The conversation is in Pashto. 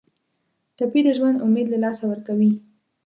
ټپي د ژوند امید له لاسه ورکوي.